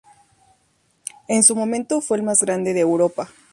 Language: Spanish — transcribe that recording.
En su momento fue el más grande de Europa.